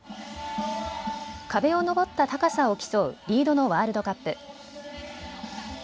壁を登った高さを競うリードのワールドカップ。